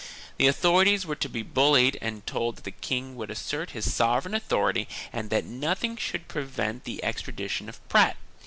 The authorities were to be bullied and told that the king would assert his sovereign authority and that nothing should prevent the extradition of Prat.